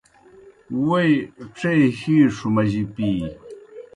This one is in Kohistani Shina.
ووئی ڇے ہِیݜوْ مجیْ پِی۔